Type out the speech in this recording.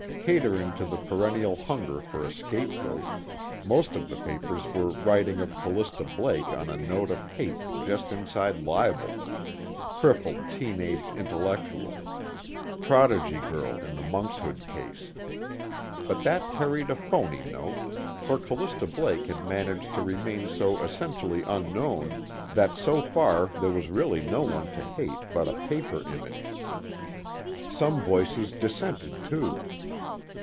Catering to the perennial hunger for a scapegoat, most of the papers were writing of Callista Blake on a note of hate just inside libel Crippled Teen Age Intellectual, Prodigy Girl in the Monkshood Case. But that carried a phony note, for Callista Blake had managed to remain so essentially unknown that so far there was really no one to hate but a paper image. Some voices dissented, too.